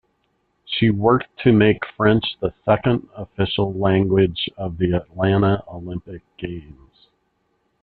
She worked to make French the second official language of the Atlanta Olympic Games.